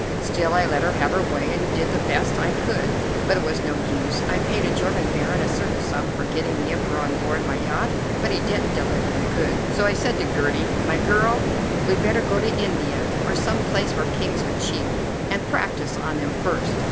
Still, I let her have her way and did the best I could, but it was no use. I paid a German Baron a certain sum for getting the Emperor on board my yacht, but he didn't deliver the goods. So I said to Gertie: 'My girl, we'd better go to India, or some place where Kings are cheap, and practise on them first.